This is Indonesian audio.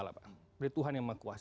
dari tuhan yang maha kuasa